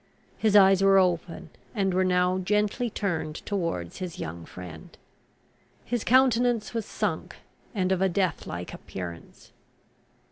His eyes were open, and were now gently turned towards his young friend. His countenance was sunk, and of a death like appearance.